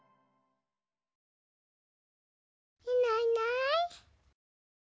いないいない。